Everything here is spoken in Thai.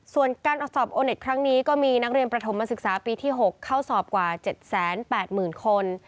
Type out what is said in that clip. ส่วนการสอบโอเน็ตครั้งนี้ก็มีนักเรียนประถมศึกษาปีที่๖เข้าสอบกว่า๗๘๐๐๐คน